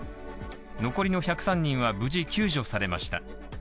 残りの１０３人は無事、救助されました。